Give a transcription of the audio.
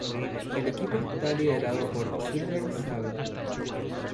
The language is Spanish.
El equipo está liderado por Silver Sable.